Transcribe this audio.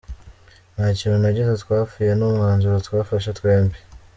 Nta kintu na gito twapfuye, ni umwanzuro twafashe twembi”.